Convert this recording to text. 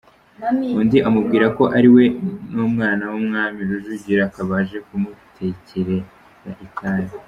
Undi amubwira ko ari kumwe n'umwana w'umwami Rujugira, akaba aje kumutekerera itabi.